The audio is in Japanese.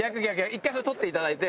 １回それ取っていただいて。